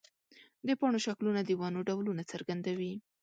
د پاڼو شکلونه د ونو ډولونه څرګندوي.